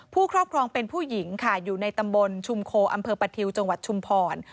ครอบครองเป็นผู้หญิงค่ะอยู่ในตำบลชุมโคอำเภอปะทิวจังหวัดชุมพร